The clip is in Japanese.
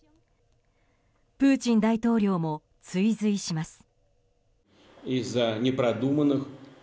プーチン大統領も追随します。